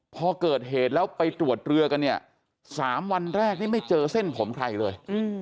พอเกิดเหตุแล้วไปตรวจเรือกันเนี่ย๓วันแรกนี่ไม่เจอเส้นผมใครเลย